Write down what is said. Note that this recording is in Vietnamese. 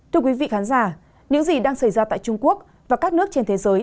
thưa quý vị khán giả những gì đang xảy ra tại trung quốc và các nước trên thế giới